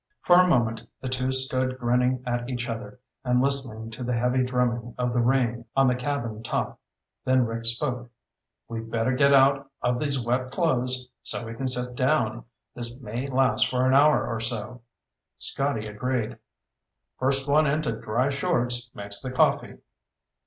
For a moment the two stood grinning at each other and listening to the heavy drumming of the rain on the cabin top, then Rick spoke. "We'd better get out of these wet clothes so we can sit down. This may last for an hour or so." Scotty agreed. "First one into dry shorts makes the coffee."